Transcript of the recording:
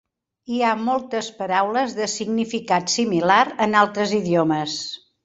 Hi ha moltes paraules de significat similar en altres idiomes.